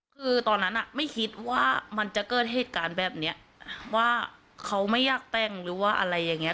คือตอนนั้นอ่ะไม่คิดว่ามันจะเกิดเหตุการณ์แบบนี้ว่าเขาไม่อยากแต่งหรือว่าอะไรอย่างเงี้